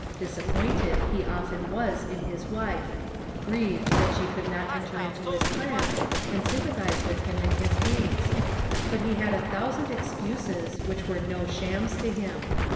Disappointed he often was in his wife ; grieved that she could not enter into Ms plans and sympathize with him in his aims ; but he had a thousand excuses which were • no shams to him.